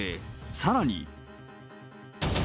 さらに。